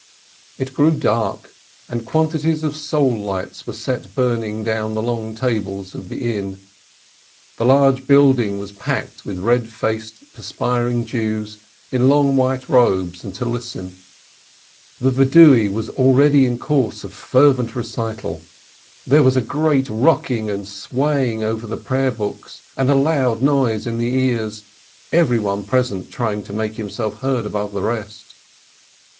It grew dark, and quantities of soul lights were set burning down the long tables of the inn. The large building was packed with red faced, perspiring Jews, in flowing white robes and Tallesim. The Confession was already in course of fervent recital, there was a great rocking and swaying over the prayer books and a loud noise in the ears, everyone present trying to make himself heard above the rest.